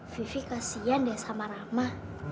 vivi kasihan deh sama ramah